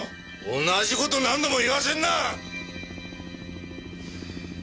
同じ事何度も言わせんな！